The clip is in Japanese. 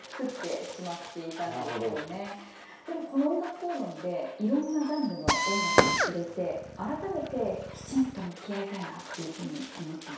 でもこの「おんがくこうろん」でいろんなジャンルの音楽に触れて改めてきちんと向き合いたいなっていうふうに思ったんですよね。